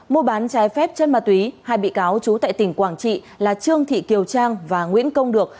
mua bán trái phép chân ma túy hai bị cáo trú tại tỉnh quảng trị là trương thị kiều trang và nguyễn công được